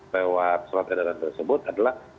lewat surat edaran tersebut adalah